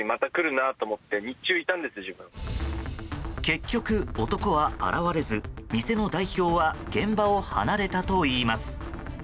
結局、男は現れず店の代表は現場を離れたといいます。